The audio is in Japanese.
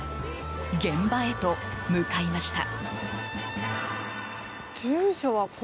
現場へと向かいました。